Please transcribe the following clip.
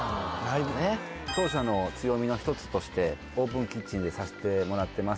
当社の強みの一つとしてオープンキッチンでさしてもらってます